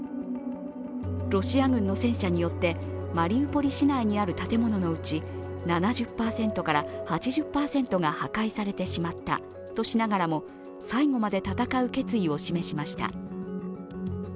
ロシア軍の戦車によってマリウポリ市内にある建物のうち７０％８０％が破壊されてしまったとしながらも最後まで戦う決意を示しました。